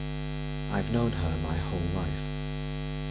I've known her my whole life.